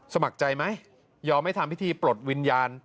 สมัครใจไหมยอมให้ทำพิธีปลดวิญญาณ